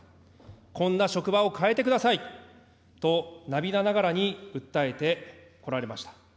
こんな職場を変えてくださいと涙ながらに訴えてこられました。